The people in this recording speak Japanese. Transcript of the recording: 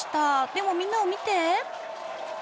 でもみんなを見て。